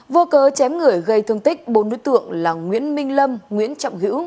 vô cớ chém người gây thương tích bốn đối tượng là nguyễn minh lâm nguyễn trọng hữu